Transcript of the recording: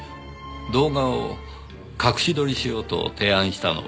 動画を隠し撮りしようと提案したのは？